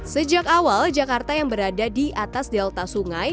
sejak awal jakarta yang berada di atas delta sungai